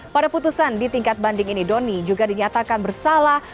pada putusan di tingkat banding ini doni juga dinyatakan bersalah